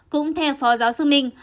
cũng theo phó giáo sư minh